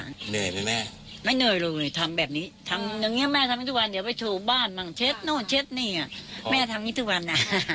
เหนื่อยไหมแม่ไม่เหนื่อยลงเลยทำแบบนี้ทำอย่างเงี้แม่ทำให้ทุกวันเดี๋ยวไปถูบ้านมั่งเช็ดนู่นเช็ดนี่แม่ทำอย่างนี้ทุกวัน